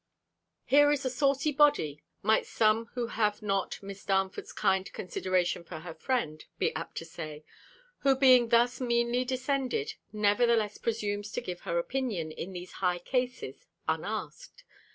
Here is a saucy body, might some who have not Miss Darnford's kind consideration for her friend, be apt to say, who being thus meanly descended, nevertheless presumes to give her opinion, in these high cases, unasked.